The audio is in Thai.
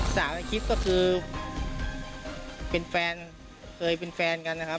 ในคลิปก็คือเป็นแฟนเคยเป็นแฟนกันนะครับ